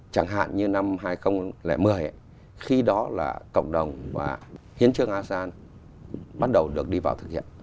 chẳng hạn như năm hai nghìn một mươi khi đó là cộng đồng và hiến trương asean bắt đầu được đi vào thực hiện